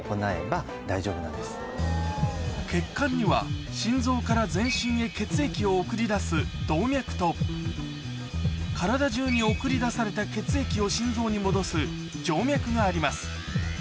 血管には心臓から全身へ血液を送り出す動脈と体中に送り出された血液を心臓に戻す静脈があります